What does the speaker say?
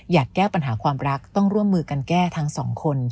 แก้ปัญหาความรักต้องร่วมมือกันแก้ทั้งสองคน